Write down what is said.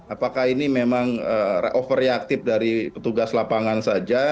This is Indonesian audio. apakah ini memang overreactive dari petugas lapangan saja